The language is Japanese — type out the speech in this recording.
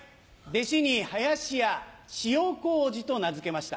弟子に林家シオコウジと名付けました。